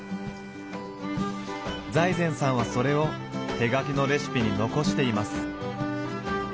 財前さんはそれを手書きのレシピに残しています。